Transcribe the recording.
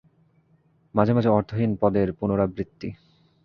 মাঝে মাঝে অর্থহীন পদের পুনরাবৃত্তি।